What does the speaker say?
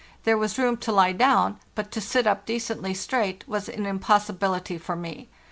There was room to lie down, but to sit up decently straight was an impossibility for me.